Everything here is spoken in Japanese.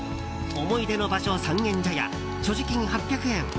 思い出の場所三軒茶屋所持金８００円。